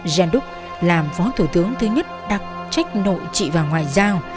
jendouk làm phó thủ tướng thứ nhất đặc trách nội trị và ngoại giao